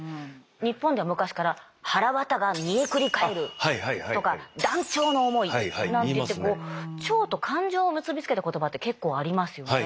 日本では昔から「腸が煮えくり返る」とか「断腸の思い」なんていってこう腸と感情を結び付けた言葉って結構ありますよね。